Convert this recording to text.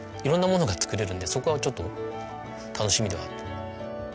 色んなものが作れるんでそこはちょっと楽しみではあった。